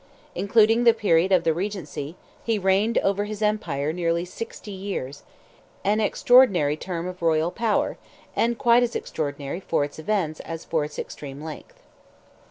Including the period of the regency, he reigned over his empire nearly sixty years—an extraordinary term of royal power, and quite as extraordinary for its events as for its extreme length.